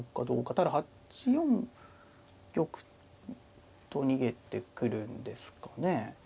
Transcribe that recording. ただ８四玉と逃げてくるんですかね。